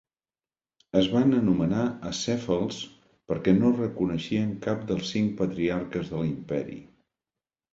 Es van anomenar acèfals perquè no reconeixien cap dels cinc patriarques de l'Imperi.